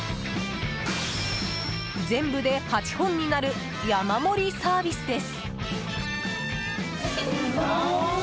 全部で８本になる山盛りサービスです！